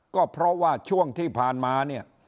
ก็เพราะว่าช่วงที่ผ่านมาเนี่ย